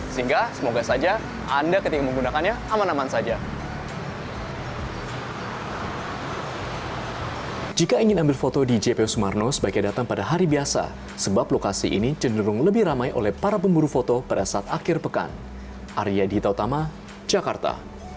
sehingga semoga saja anda ketika menggunakannya aman aman saja